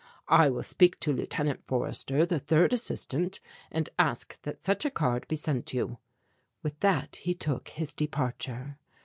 I will speak to Lieut. Forrester, the Third Assistant, and ask that such a card be sent you." With that he took his departure.